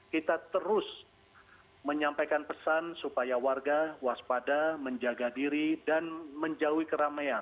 kita terus menyampaikan pesan supaya warga waspada menjaga diri dan menjauhi keramaian